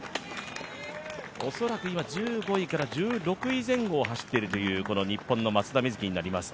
恐らく今１５位から１６位前後を走っているという、この日本の松田瑞生になります。